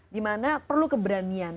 dimana perlu keberanian